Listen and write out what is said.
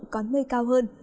có nơi cao hơn